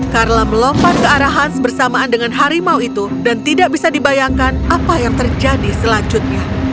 carla melompat ke arah hans bersamaan dengan harimau itu dan tidak bisa dibayangkan apa yang terjadi selanjutnya